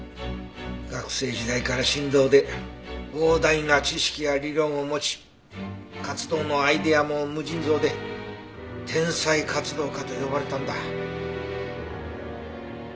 学生時代から神童で膨大な知識や理論を持ち活動のアイデアも無尽蔵で天才活動家と呼ばれたんだ。